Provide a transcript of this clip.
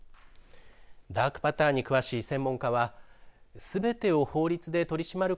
ダークパターンに詳しい専門家はすべてを法律で取り締まる